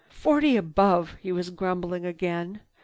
"Forty above!" he was grumbling again.